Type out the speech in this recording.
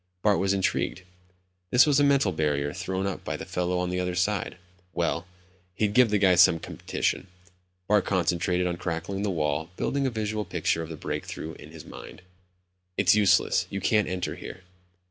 Bart was intrigued. This was a mental barrier thrown up by the fellow on the other side. Well, he'd give the guy some competition. Bart concentrated on cracking the wall, building a visual picture of the break through in his mind. "It's useless. You can't enter here."